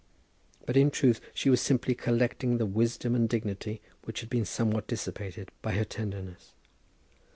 But, in truth, she was simply collecting the wisdom and dignity which had been somewhat dissipated by her tenderness.